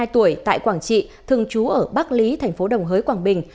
hai mươi hai tuổi tại quảng trị thường trú ở bắc lý tp đồng hới quảng bình